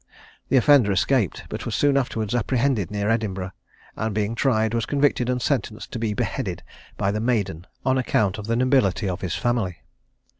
The offender escaped, but was soon afterwards apprehended near Edinburgh; and being tried, was convicted and sentenced to be beheaded by the maiden, on account of the nobility of his family.